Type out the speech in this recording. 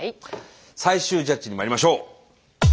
最終ジャッジにまいりましょう！